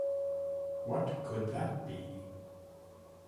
What could that be?